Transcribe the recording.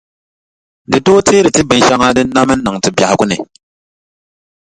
Di tooi teeri ti binʼ shɛŋa din na mi n-niŋ ti biɛhigu ni.